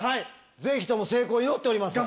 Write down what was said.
ぜひとも成功を祈っておりますよ。